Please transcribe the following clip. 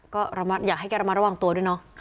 ก็อยากให้แกระมัดระวังตัวด้วยเนาะ